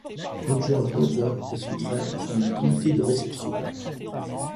Roger Werther et son frère forment le comité de réception.